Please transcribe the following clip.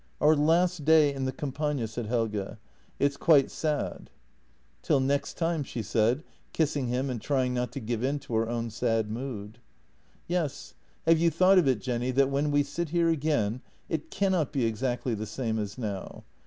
" Our last day in the Campagna," said Helge. " It's quite sad! " ii6 JENNY " Till next time," she said, kissing him and trying not to give in to her own sad mood. " Yes. Have you thought of it, Jenny, that when we sit here again it cannot be exactly the same as now?